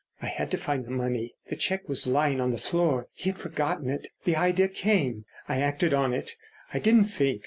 I had to find the money. The cheque was lying on the floor, he had forgotten it. The idea came. I acted on it. I didn't think.